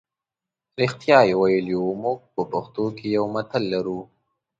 رښتیا یې ویلي وو موږ په پښتو کې یو متل لرو.